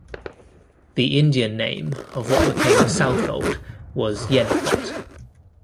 The Indian name of what became Southold was "Yenicott".